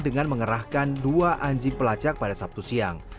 dengan mengarahkan kejadian yang terjadi di jumat